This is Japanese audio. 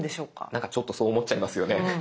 なんかちょっとそう思っちゃいますよね。